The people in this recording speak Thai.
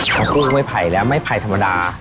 ถ้าคู่กับไม้ไผ่แล้วไม้ไผ่ธรรมดา